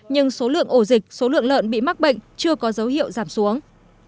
nhưng số lượng ổ dịch số lượng lợn bị mắc bệnh chưa có dấu hiệu giảm xuống